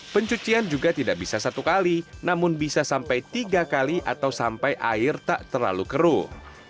pencucian juga tidak bisa satu kali namun bisa sampai tiga kali atau sampai air tak terlalu keruh